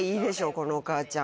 このお母ちゃん。